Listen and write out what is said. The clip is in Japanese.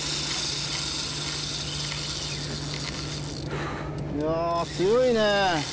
ふぅいや強いね